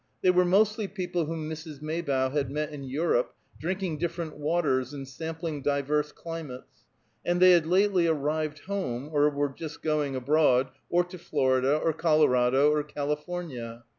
They were mostly people whom Mrs. Maybough had met in Europe, drinking different waters and sampling divers climates, and they had lately arrived home, or were just going abroad, or to Florida, or Colorado, or California.